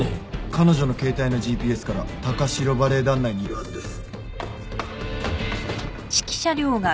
彼女の携帯のＧＰＳから高城バレエ団内にいるはずです。